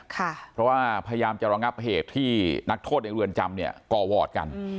เพราะว่าพยายามจะระงับเหตุที่นักโทษในเรือนจำเนี่ยก่อวอร์ดกัน